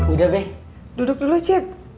udah be duduk dulu cet